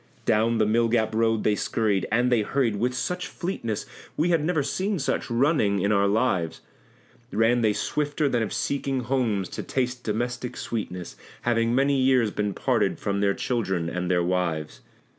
Down the Mill gap road they scurried and they hurried with such fleetness We had never seen such running in our lives! Ran they swifter than if seeking homes to taste domestic sweetness, Having many years been parted from their children and their wives.